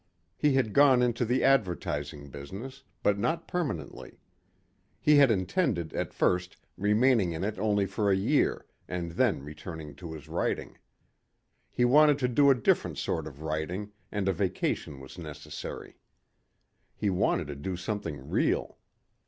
He had gone into the advertising business, but not permanently. He had intended at first remaining in it only for a year and then returning to his writing. He wanted to do a different sort of writing and a vacation was necessary. He wanted to do something real.